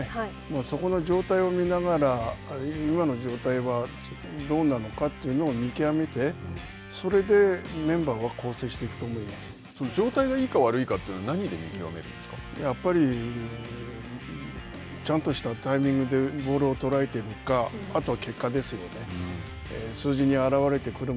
そこの状態を見ながら、今の状態はどうなのかというのを見極めて、それで、メンバーは状態がいいか悪いかというのはやっぱり、ちゃんとしたタイミングでボールを捉えているか、あとは結果ですよね。